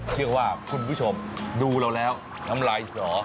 เชื่อว่าคุณผู้ชมดูเราแล้วน้ำลายสอ